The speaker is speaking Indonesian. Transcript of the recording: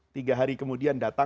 tiga hari kemudian datang